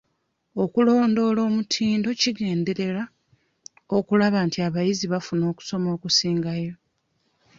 Okulondoola omutindo kigenderera okulaba nti abayizi bafuna okusoma okusingayo.